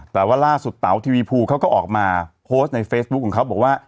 แต่ว่าล่าสุดเต๋าทีวีภูเขาก็ออกมาโพสต์ในเฟซบุ๊คของเขาบอกว่า